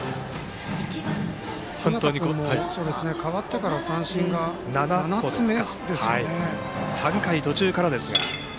日當君も代わってから三振が３回途中からですが。